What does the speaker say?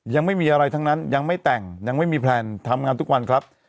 ยังไม่มีอะไรทั้งนั้นยังไม่แต่งยังไม่มีแพลนทำงานทุกวันครับ